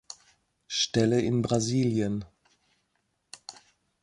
Stelle in Brasilien.